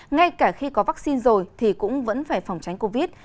ngay cả khi có vaccine rồi thì cũng vẫn phải phòng tránh covid